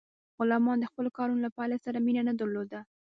غلامانو د خپلو کارونو له پایلو سره مینه نه درلوده.